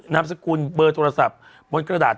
นามสกุลเบอร์โทรศัพท์บนกระดาษ